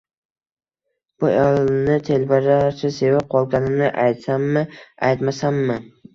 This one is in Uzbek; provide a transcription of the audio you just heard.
Bu ayolni telbalarcha sevib qolganimni aytsammi-aytmasammi